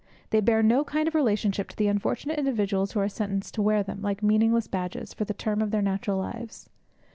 They bear no kind of relationship to the unfortunate individuals who are sentenced to wear them, like meaningless badges, for the term of their natural lives.